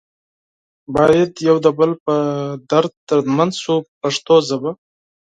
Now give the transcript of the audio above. باید یو د بل په درد دردمند شو په پښتو ژبه.